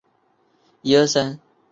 马格达莱纳省。